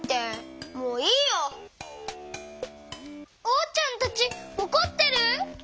おうちゃんたちおこってる？